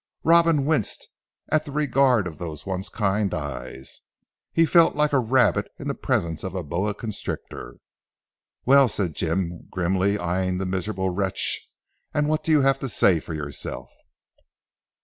Robin winced at the regard of those once kind eyes. He felt like a rabbit in the presence of a boa constrictor. "Well!" said Jim grimly eying the miserable wretch, "and what have you to say for yourself?"